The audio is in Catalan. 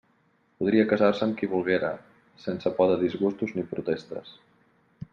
Podria casar-se amb qui volguera, sense por de disgustos ni protestes.